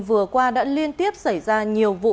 vừa qua đã liên tiếp xảy ra nhiều vụ